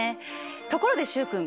ところで習君